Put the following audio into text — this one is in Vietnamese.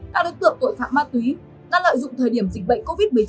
các đối tượng tội phạm ma túy đã lợi dụng thời điểm dịch bệnh covid một mươi chín